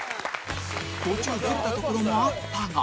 途中ズレたところもあったが